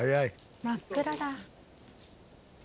真っ暗だ。